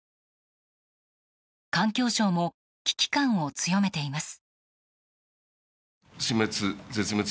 環境省も危機感を強めています。